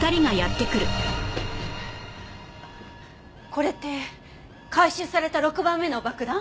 これって回収された６番目の爆弾？